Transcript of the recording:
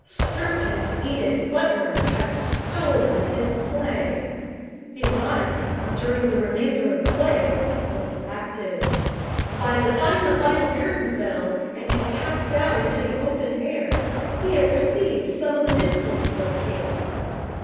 Serpent Edith Butler had stolen his play. His mind, during the remainder of the play, was active. By the time the final curtain fell and he passed out into the open air he had perceived some of the difficulties of the case.